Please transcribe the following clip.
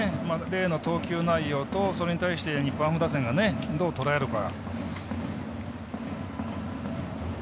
レイの投球内容と、それに対して日本ハム打線がどうとらえるか。